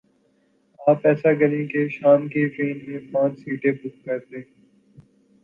آپ ایسا کریں کے شام کی ٹرین میں پانچھ سیٹیں بک کر دیں۔